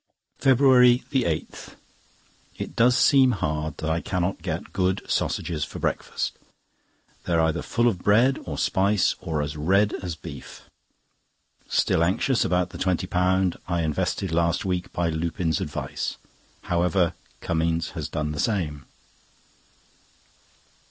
FEBRUARY 8.—It does seem hard I cannot get good sausages for breakfast. They are either full of bread or spice, or are as red as beef. Still anxious about the £20 I invested last week by Lupin's advice. However, Cummings has done the same.